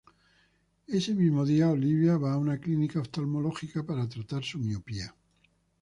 Ese mismo día, Olivia va a una clínica oftalmológica para tratar su miopía.